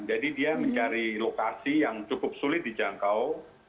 jadi dia mencari lokasi yang cukup sulit dijangkau